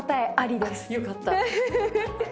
よかった。